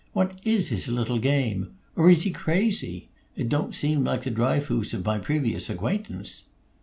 "What is his little game? Or is he crazy? It don't seem like the Dryfoos of my previous acquaintance."